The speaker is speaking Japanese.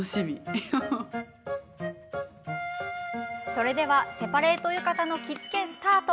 それではセパレート浴衣の着付けスタート。